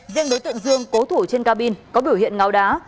riêng đối tượng dương cố thủ trên cabin có biểu hiện ngáo đá